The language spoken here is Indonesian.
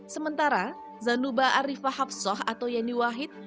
sementara zanuba arifah hapsoh atau yeni wahid